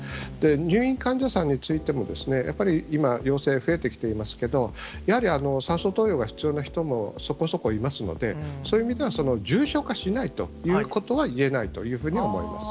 入院患者さんについても、やっぱり今、陽性増えてきていますけれども、やはり酸素投与が必要な人もそこそこいますので、そういう意味では、重症化しないということは言えないというふうに思います。